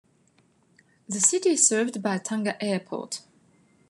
The city is served by Tanga Airport.